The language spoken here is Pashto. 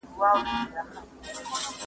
زه هره ورځ کتابونه لوستل کوم،